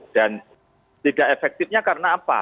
dan tidak efektifnya karena apa